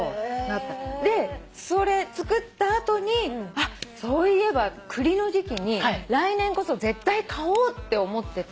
でそれ作った後にあっそういえば栗の時季に来年こそ絶対買おうって思ってた栗をむく。